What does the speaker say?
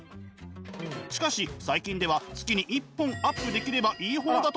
しかし最近では月に１本アップできればいい方だとか。